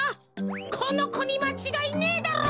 このこにまちがいねえだろう？